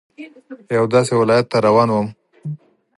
یوه داسې ولايت ته روان وم.